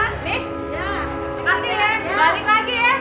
kasih ya balik lagi ya